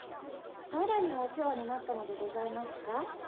誰にお世話になったのでございますか？